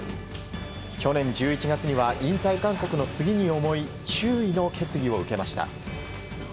去年１１月には引退勧告の次に重い注意の決議を受けました。